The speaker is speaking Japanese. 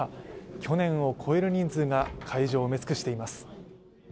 去年を超える人数が会場を埋め尽くしています。